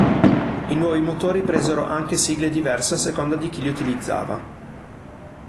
I nuovi motori presero anche sigle diverse a seconda di chi li utilizzava.